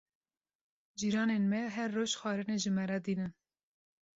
Cîranên me her roj xwarinê ji me re tînin.